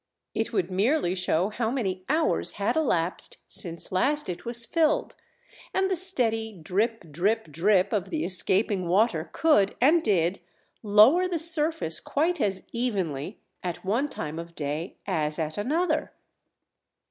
It would merely show how many hours had elapsed since last it was filled, and the steady drip, drip, drip of the escaping water could—and did—lower the surface quite as evenly at one time of day as at another.